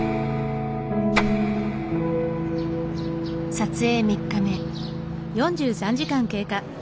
撮影３日目。